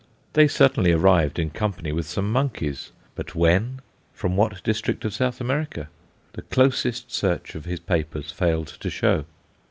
They certainly arrived in company with some monkeys; but when, from what district of South America, the closest search of his papers failed to show.